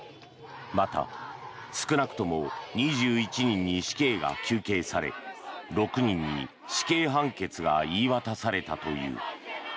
また、少なくとも２１人に死刑が求刑され６人に死刑判決が言い渡されたという。